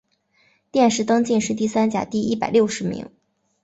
殿试登进士第三甲第一百六十名。